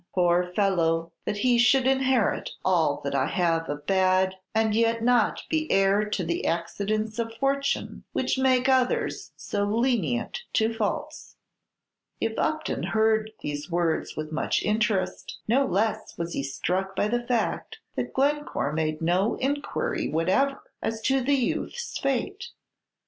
Poor fellow, that he should inherit all that I have of bad, and yet not be heir to the accidents of fortune which make others so lenient to faults!" If Upton heard these words with much interest, no less was he struck by the fact that Glencore made no inquiry whatever as to the youth's fate.